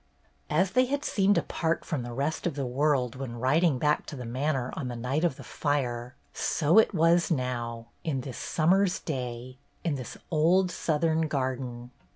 As they had seemed apart from the rest of the world when riding back to the manor on the night of the fire, so it was now, in this summer's day, in this old southern garden.